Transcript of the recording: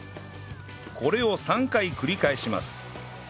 これを３回繰り返します